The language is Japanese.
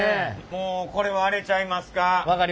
もうこれはあれちゃいますか？